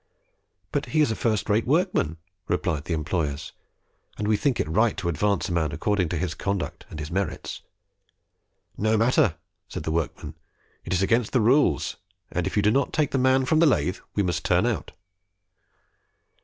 "But he is a first rate workman," replied the employers, "and we think it right to advance a man according to his conduct and his merits." "No matter," said the workmen, "it is against the rules, and if you do not take the man from the lathe, we must turn out."